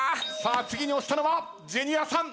次に押したのはジュニアさん。